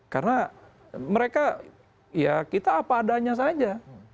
karena mereka ya kita apa adanya saja